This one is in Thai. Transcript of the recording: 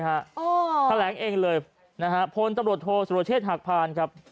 แถลงเองเลยนะฮะพลตำรวจโทษสุรเชษฐหักพานครับ